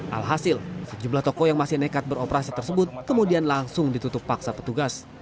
alhasil sejumlah toko yang masih nekat beroperasi tersebut kemudian langsung ditutup paksa petugas